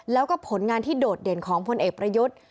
แล้วก็ผลงานที่โดดเด่นของพลเอกประยุทธ์